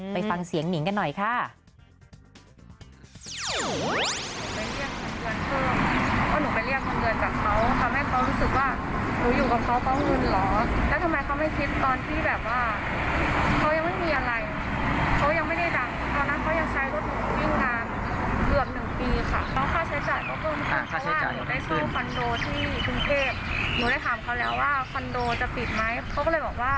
ไปฟังเสียงนิงกันหน่อยค่ะ